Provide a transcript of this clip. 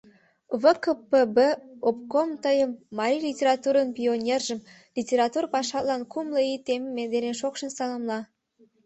ВКПб Обком тыйым, марий литературын пионержым, литератур пашатлан кумло ий темме дене шокшын саламла.